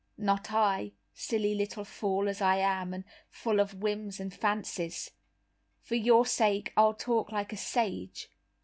"Not I, silly little fool as I am, and full of whims and fancies; for your sake I'll talk like a sage.